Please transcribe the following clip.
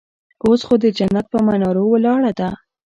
اوس خو د جنت پهٔ منارو ولاړه ده